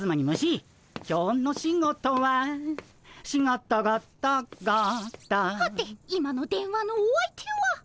「今日の仕事はシゴトゴトゴト」はて今の電話のお相手は。